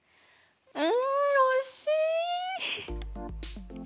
うん惜しい！